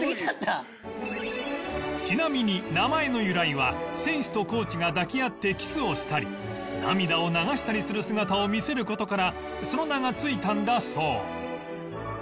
ちなみに名前の由来は選手とコーチが抱き合ってキスをしたり涙を流したりする姿を見せる事からその名がついたんだそう